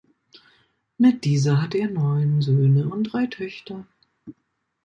Mit dieser hatte er neun Söhne und drei Töchter.